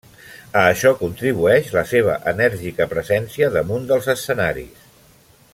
A això contribueix la seva enèrgica presència damunt dels escenaris.